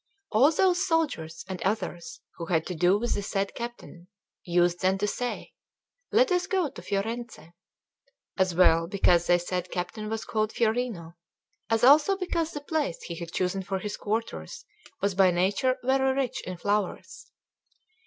All those soldiers and others who had to do with the said captain, used then to say: "Let us go to Fiorenze;" as well because the said captain was called Fiorino, as also because the place he had chosen for his quarters was by nature very rich in flowers.